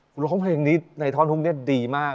คุณร้องเพลงนี้ในท่อนทุ่งเนี่ยดีมาก